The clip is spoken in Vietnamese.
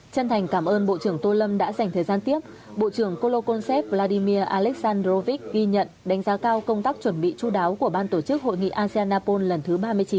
chân thành cảm ơn bộ trưởng tô lâm đã dành thời gian tiếp bộ trưởng colonsep vladimir aleksandrovich ghi nhận đánh giá cao công tác chuẩn bị chú đáo của ban tổ chức hội nghị asean apol lần thứ ba mươi chín